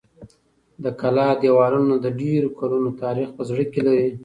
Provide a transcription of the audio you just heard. د کلا دېوالونه د ډېرو کلونو تاریخ په زړه کې لري.